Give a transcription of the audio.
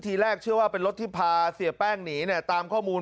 ทีแรกเชื่อว่าเป็นรถที่พาเสียแป้งหนีเนี่ยตามข้อมูล